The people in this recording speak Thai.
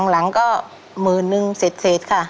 หลังก็หมื่นนึงเสร็จค่ะ